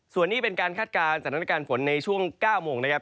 ส่วนนี้เป็นการคาดการณ์สถานการณ์ฝนในช่วง๙โมงนะครับ